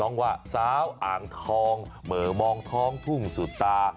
ว่าสาวอ่างทองเหม่อมองท้องทุ่งสุดตา